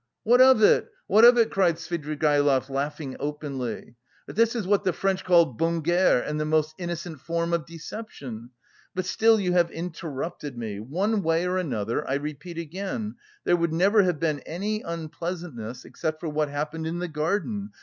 "What of it? What of it?" cried Svidrigaïlov, laughing openly. "But this is what the French call bonne guerre, and the most innocent form of deception!... But still you have interrupted me; one way or another, I repeat again: there would never have been any unpleasantness except for what happened in the garden.